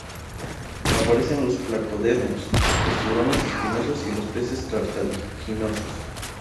Aparecen los placodermos, los tiburones espinosos y los peces cartilaginosos.